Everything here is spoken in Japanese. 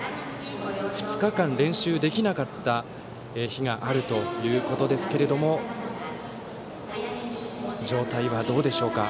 ２日間、練習できなかった日があるということですが状態はどうでしょうか。